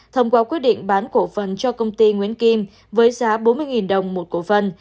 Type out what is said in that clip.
thông qua quyết định bán cổ phần cho công ty nguyễn kim với giá bốn mươi đồng một cổ vân